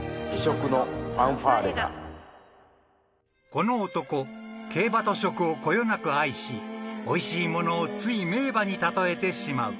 ［この男競馬と食をこよなく愛しおいしいものをつい名馬に例えてしまう］